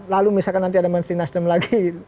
lalu misalkan nanti ada menteri nasdem lagi